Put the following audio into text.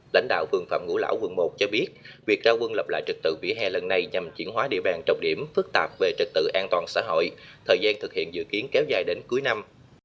lãnh đạo vườn phạm ngũ lão quận một cho biết việc ra quân lập lại trật tự vỉa hè lần này nhằm chuyển hóa địa bàn trọng điểm phức tạp về trật tự an toàn xã hội thời gian thực hiện dự kiến kéo dài đến cuối năm